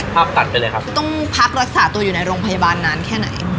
ตัดไปเลยครับคือต้องพักรักษาตัวอยู่ในโรงพยาบาลนานแค่ไหน